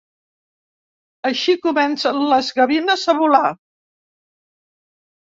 Així comencen les gavines a volar.